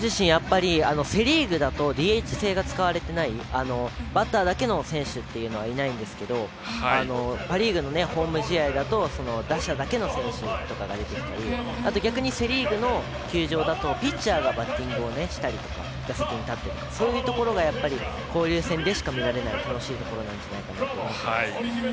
セ・リーグだとＤＨ制が使われていないのでバッターだけの選手っていうのはいないんですけど、パ・リーグのホーム試合だと打者だけの選手とかが出てきたり逆にセ・リーグの球場だとピッチャーがバッティングをしたりとか打席に立ったりそういうところがやっぱり交流戦でしか見られない楽しいところなんじゃないかなと思っています。